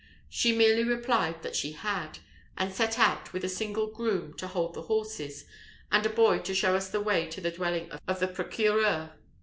She merely replied that she had; and set out, with a single groom to hold the horses, and a boy to show us the way to the dwelling of the procureur.